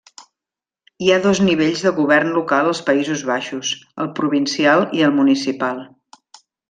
Hi ha dos nivells de govern local als Països Baixos: el provincial i el municipal.